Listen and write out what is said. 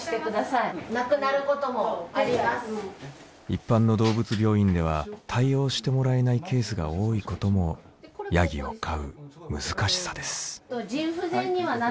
一般の動物病院では対応してもらえないケースが多いこともヤギを飼う難しさです。